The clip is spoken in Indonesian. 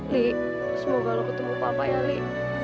li semoga lo ketemu papa ya li